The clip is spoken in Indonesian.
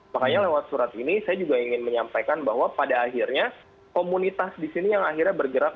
makanya lewat surat ini saya juga ingin menyampaikan bahwa pada akhirnya komunitas di sini yang akhirnya bergerak